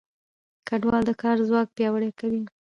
کډوال د کار ځواک پیاوړی کوي.